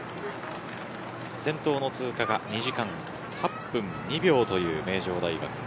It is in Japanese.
先頭の通過が２時間８分２秒という名城大学。